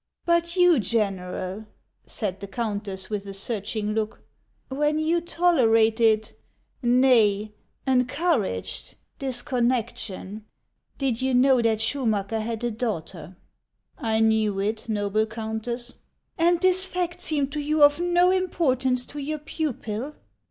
" But you, General," said the countess, with a searching look, "when you tolerated — nay, encouraged — this con nection, did you know that Schumacker had a daughter ?"" I knew it, noble Countess." " And this fact seemed to you of no importance to your pupil